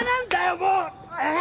もう。